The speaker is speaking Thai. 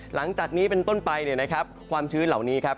หลังจากนี้เป็นต้นไปเนี่ยนะครับความชื้นเหล่านี้ครับ